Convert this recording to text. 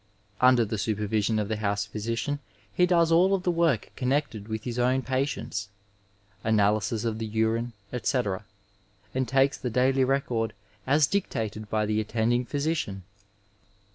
Under the supervision of the house physician he does all of the work connected with his own patients ; analysis of the urine, etc., and takes the daily record as dictated by the attending physician.